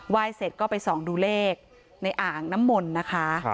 ยเสร็จก็ไปส่องดูเลขในอ่างน้ำมนต์นะคะ